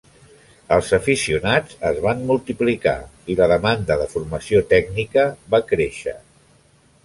Els aficionats es van multiplicar i la demanda de formació tècnica va créixer.